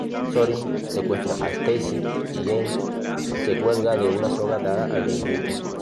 Zorin secuestra a Stacy y James se cuelga de una soga atada al dirigible.